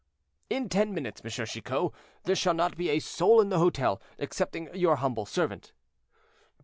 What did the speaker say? "In ten minutes, M. Chicot, there shall not be a soul in the hotel excepting your humble servant."